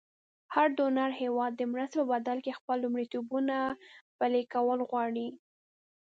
هر ډونر هېواد د مرستې په بدل کې خپل لومړیتوبونه پلې کول غواړي.